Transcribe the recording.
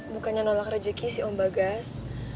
bukannya nolak rejeki sih om bagas